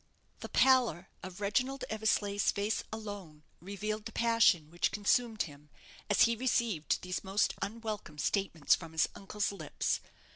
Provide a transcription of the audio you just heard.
The pallor of Reginald Eversleigh's face alone revealed the passion which consumed him as he received these most unwelcome statements from his uncle's lips.